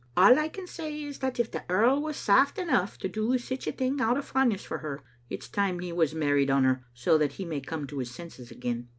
All I can say is that if the earl was saf t enough to do sic a thing out of fondness for her, it's time he was married on her, so that he may come to his senses again.